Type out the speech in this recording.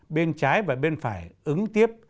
bên trái và bên phải ứng tiếp